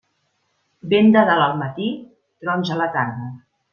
Vent de dalt al matí, trons a la tarda.